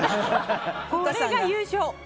これが優勝！